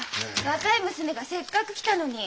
若い娘がせっかく来たのに。